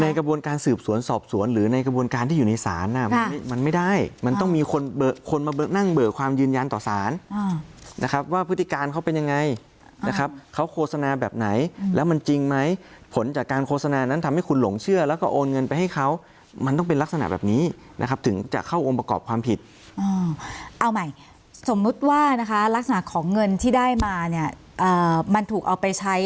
ในกระบวนการสืบสวนสอบสวนหรือในกระบวนการที่อยู่ในศาลมันไม่ได้มันต้องมีคนมาเบิกนั่งเบิกความยืนยันต่อศาลนะครับว่าพฤติการเขาเป็นยังไงนะครับเขาโฆษณาแบบไหนแล้วมันจริงไหมผลจากการโฆษณานั้นทำให้คุณหลงเชื่อแล้วก็โอนเงินไปให้เขามันต้องเป็นลักษณะแบบนี้นะครับถึงจะเข้าองค์ป